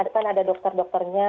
kan ada dokter dokternya